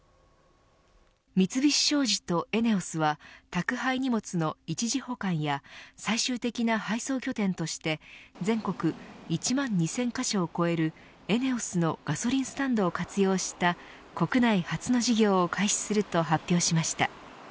三菱商事とＥＮＥＯＳは宅配荷物の一時保管や最終的な配送拠点として全国１万２０００カ所を超えるＥＮＥＯＳのガソリンスタンドを活用した国内初の事業を開始すると発表しました。